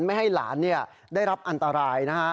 ไม่ให้หลานได้รับอันตรายนะฮะ